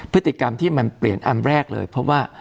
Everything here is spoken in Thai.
พฤติกรรมที่มันเปลี่ยนอันแรกเลยเพราะว่า